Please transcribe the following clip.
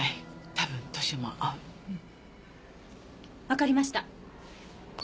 わかりました。